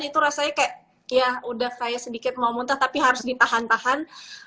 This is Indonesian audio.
itu rasanya kayak ya udah kayak sedikit mau muntah tapi harus ditahan tahan